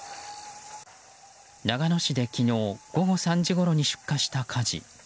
長野市で昨日午後３時ごろに出火した火事。